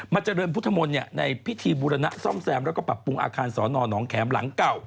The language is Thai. เจริญพุทธมนต์ในพิธีบูรณะซ่อมแซมแล้วก็ปรับปรุงอาคารสอนอนหนองแขมหลังเก่า